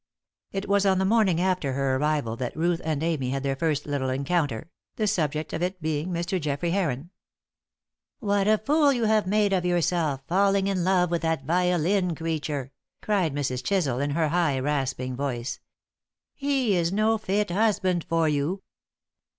It was on the morning after her arrival that Ruth and Amy had their first little encounter; the subject of it being Mr. Geoffrey Heron. "What a fool you have made of yourself falling in love with that violin creature!" cried Mrs. Chisel in her high rasping voice. "He is no fit husband for you!"